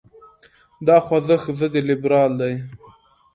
دا خوځښت ضد لیبرال دی.